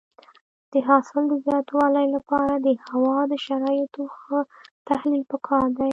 د حاصل د زیاتوالي لپاره د هوا د شرایطو ښه تحلیل پکار دی.